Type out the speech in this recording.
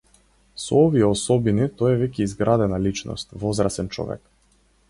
Со овие особини, тој е веќе изградена личност, возрасен човек.